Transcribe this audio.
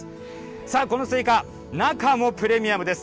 さあ、このスイカ、中もプレミアムです。